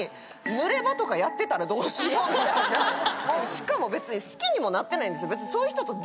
しかも別に好きにもなってないんですよ。